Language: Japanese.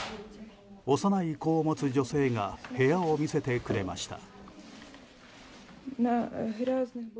幼い子を持つ女性が部屋を見せてくれました。